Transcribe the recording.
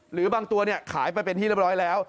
หรือบางตัวขายไปเป็นที่เรียบร้อยแล้ว